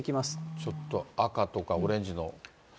ちょっと赤とかオレンジの。